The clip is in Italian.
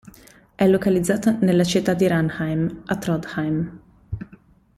È localizzato nella città di Ranheim, a Trondheim.